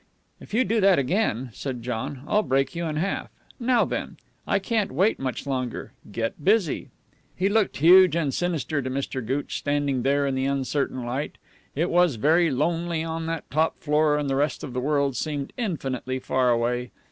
"If you do that again," said John, "I'll break you in half. Now then! I can't wait much longer. Get busy!" He looked huge and sinister to Mr. Gooch, standing there in the uncertain light; it was very lonely on that top floor and the rest of the world seemed infinitely far away.